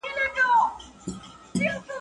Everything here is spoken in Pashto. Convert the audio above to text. o چيري ئې وهم، چيري ئې ږغ وزي.